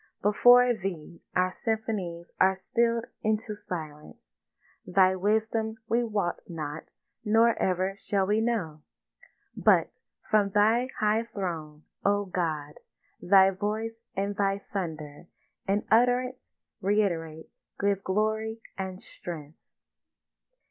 Before Thee our symphonies are still'd into silence; Thy wisdom we wot not nor ever shall we know; But from Thy high throne, O God, Thy voice and Thy thunder In utterance reïterate give glory and strength.